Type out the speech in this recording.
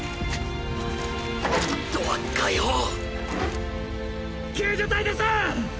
ドア開放救助隊です！